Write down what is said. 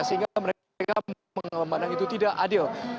sehingga mereka memandang itu tidak adil